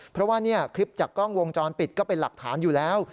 เพราะว่าคลิปจากกล้องวงจรปิดก็เป็นหลักฐานอยู่แล้ว